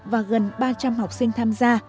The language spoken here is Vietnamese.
và gần ba trăm linh học sinh tham gia